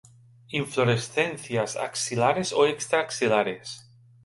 Inflorescencias axilares o extra-axilares.